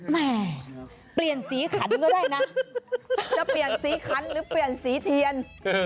แหม่เปลี่ยนสีขันก็ได้นะจะเปลี่ยนสีขันหรือเปลี่ยนสีเทียน